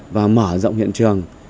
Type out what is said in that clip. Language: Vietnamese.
và mở rộng hiện trường